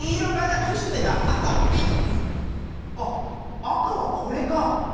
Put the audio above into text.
あっ赤はこれか。